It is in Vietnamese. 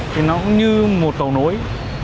thì nó cũng như một cầu nối